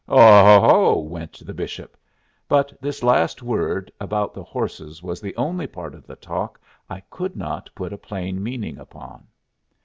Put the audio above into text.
"Oh, ho, ho!" went the Bishop. But this last word about the horses was the only part of the talk I could not put a plain meaning upon.